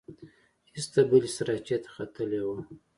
ایسته بلې سراچې ته ختلې وه.